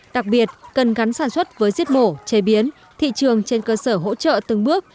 đặc biệt cần gắn sản xuất với giết mổ chế biến thị trường trên cơ sở hỗ trợ từng bước